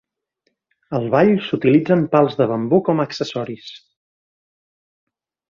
Al ball s'utilitzen pals de bambú com a accessoris.